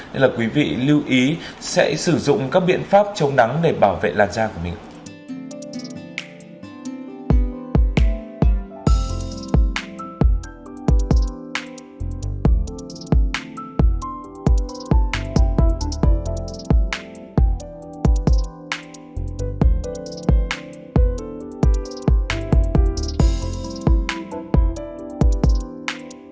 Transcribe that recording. nên là quý vị lưu ý sẽ sử dụng các biện pháp chống nắng để bảo vệ làn da của mình